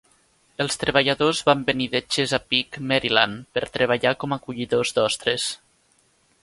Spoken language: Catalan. Els treballadors van venir de Chesapeake, Maryland, per treballar com a collidors d'ostres.